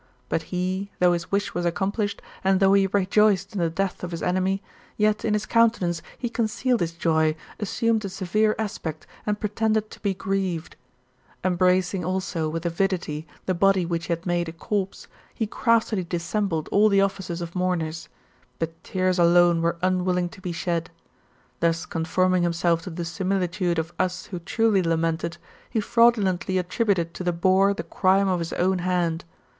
But he, though his wish was accomplished, and though he rejoiced in the death of his enemy, yet in his countenance he concealed his joy, assumed a severe aspect, and pretended to be grieved Embracing also with avidity the body which he had made a corpse, he craftily dissembled all the offices of mourners : but tears alone were unwilling to be shed. Thus conforming himself to the similitude pf us who truly lamented, he fraudu lently attributed to the boar the crime of his own hand.